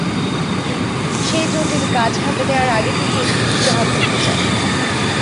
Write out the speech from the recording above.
সেই জটিল কাজ হাতে নেওয়ার আগে তিনি এগুলোর সুরাহা করতে চান।